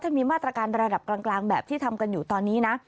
ถ้ามีมาตรการระดับกลางแบบที่ทำกันอยู่ตอนนี้นะ